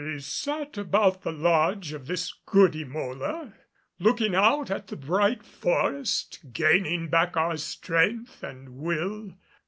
We sat about the lodge of this good Emola, looking out at the bright forest, gaining back our strength and will.